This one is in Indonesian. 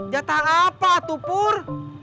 jatah apa tuh pur